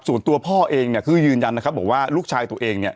ส่วนตัวพ่อเองเนี่ยคือยืนยันนะครับบอกว่าลูกชายตัวเองเนี่ย